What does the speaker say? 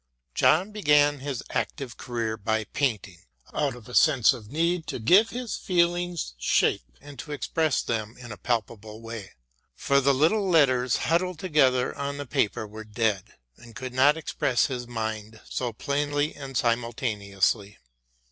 John began his active career by painting, out of a sense of need to give his feelings shape and to express them in a palpable way, for the little letters huddled together on the paper were dead and could not express his mind so plainly and simultaneously.